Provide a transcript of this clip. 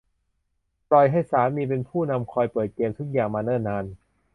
ปล่อยให้สามีเป็นผู้นำคอยเปิดเกมทุกอย่างมาเนิ่นนาน